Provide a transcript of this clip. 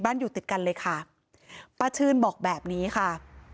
อยู่ติดกันเลยค่ะป้าชื่นบอกแบบนี้ค่ะ